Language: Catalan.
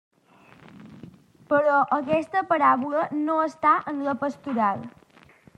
Però aquesta paràbola no està en la pastoral.